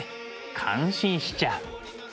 感心しちゃう。